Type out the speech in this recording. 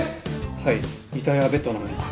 はい遺体はベッドの上に。